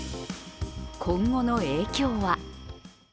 今後の影響は？